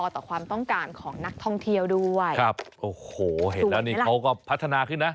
ต่อความต้องการของนักท่องเที่ยวด้วยครับโอ้โหเห็นแล้วนี่เขาก็พัฒนาขึ้นนะ